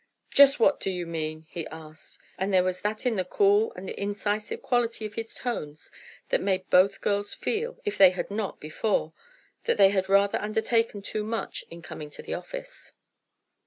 "Just what do you mean?" he asked, and there was that in the cool, and incisive quality of his tones that made both girls feel, if they had not before, that they had rather undertaken too much in coming to the office.